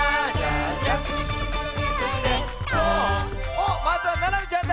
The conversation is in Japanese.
おっまずはななみちゃんだ。